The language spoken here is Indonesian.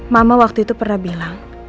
mama waktu itu pernah bilang